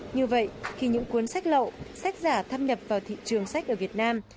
như vậy khi những cuốn sách lậu sách giả thâm nhập vào thị trường sách ở việt nam